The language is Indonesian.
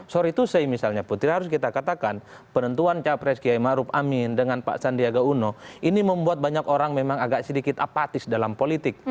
sorry to say misalnya putri harus kita katakan penentuan capres kiai maruf amin dengan pak sandiaga uno ini membuat banyak orang memang agak sedikit apatis dalam politik